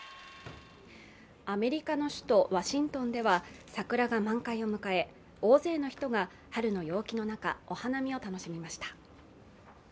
アメリカの首都ワシントンでは桜が満開を迎え大勢の人が春の陽気の中、お花見を楽しみました。